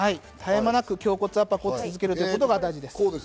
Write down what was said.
絶え間なく続けることが大切です。